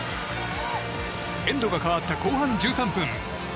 エンドが変わった後半１３分。